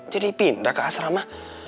jadi pindah ke asrama